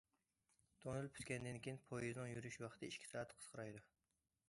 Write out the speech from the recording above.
تونېل پۈتكەندىن كېيىن پويىزنىڭ يۈرۈش ۋاقتى ئىككى سائەت قىسقىرايدۇ.